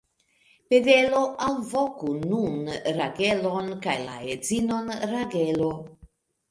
Pedelo, alvoku nun Ragelon kaj la edzinon Ragelo.